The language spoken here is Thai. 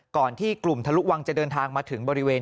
ก่อนที่กลุ่มทะลุวังจะเดินทางมาถึงบริเวณ